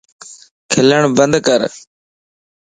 کلن بند ڪر